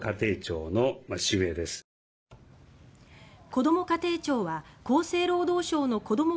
こども家庭庁は厚生労働省の子ども